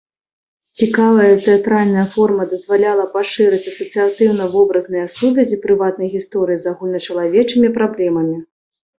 Цікавая тэатральная форма дазваляла пашырыць асацыятыўна-вобразныя сувязі прыватнай гісторыі з агульначалавечымі праблемамі.